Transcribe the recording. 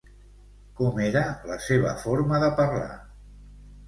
Com era la seva forma de parlar?